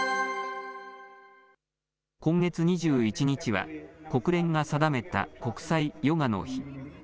今月２１日は、国連が定めた国際ヨガの日。